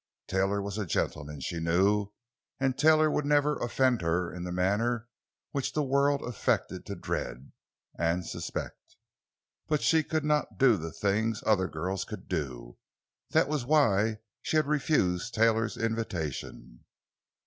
Taylor was a gentleman—she knew—and Taylor would never offend her in the manner the world affected to dread—and suspect. But she could not do the things other girls could do—that was why she had refused Taylor's invitation.